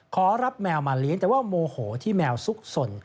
ขอรับแมวมาเลี้ยงแต่ว่าโมโหที่แมวซุกสน